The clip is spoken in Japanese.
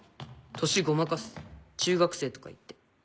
年ごまかす中学生とか言って。